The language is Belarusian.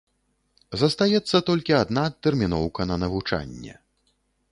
Застаецца толькі адна адтэрміноўка на навучанне.